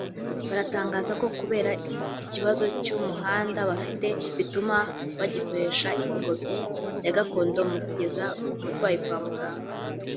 baratangaza ko kubera ikibazo cy’umuhanda bafite bituma bagikoresha ingobyi ya gakondo mu kugeza umurwayi kwa muganga